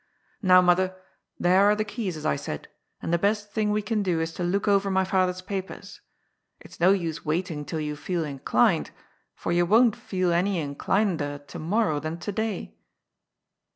" Now, mother, there are the keys, as I said, and the best thing we can do is to look over my father's papers. It's no use waiting till you feel in clined, for you won't feel any inclineder to morrow than to day."